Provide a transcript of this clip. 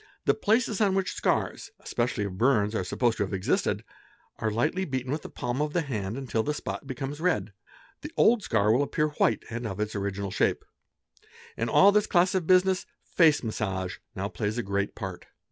The places on which scars, especially of burns, are supposed to have existed, are lightly beaten with the palm of the hand until the spot becomes red. The old scar will appear white and of its original shape. In all this class of business face massage now plays a great part.